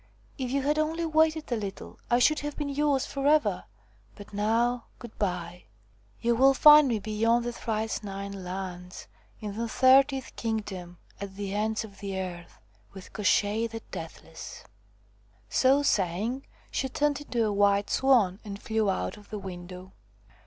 If you had only waited a little I should have been yours forever. But now good bye ! You will find THE FROG QUEEN 123 me beyond the thrice nine lands, in the thirtieth kingdom, at the ends of the earth, with Koshchei the Deathless." So saying, she turned into a white swan and flew out of the window.